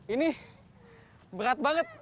ini berat banget